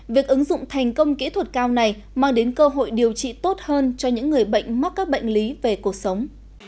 việc ứng dụng thành công kỹ thuật cao này mang đến cơ hội điều trị tốt hơn cho những người bệnh mắc các bệnh lý về cuộc sống